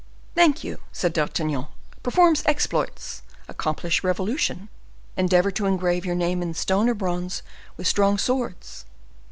"Thank you," said D'Artagnan—"perform exploits, accomplish revolutions, endeavor to engrave your name in stone or bronze with strong swords!